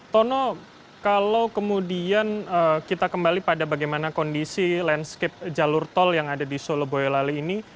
tono kalau kemudian kita kembali pada bagaimana kondisi landscape jalur tol yang ada di solo boyolali ini